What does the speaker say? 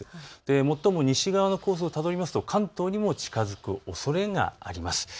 最も西側のコースをたどりますと関東にも近づくおそれがあります。